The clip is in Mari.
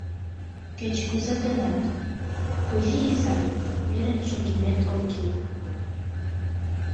Кеч-кузе гынат, Кузий изай, ӧрын шогымет ок кӱл.